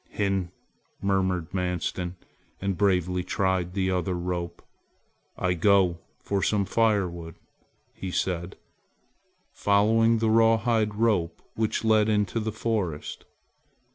"Hin!" murmured Manstin and bravely tried the other rope. "I go for some fire wood!" he said, following the rawhide rope which led into the forest.